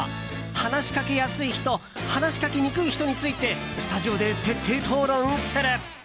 話しかけやすい人話しかけにくい人についてスタジオで徹底討論する。